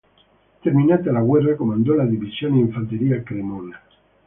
Terminata la guerra comandò la Divisione di fanteria "Cremona".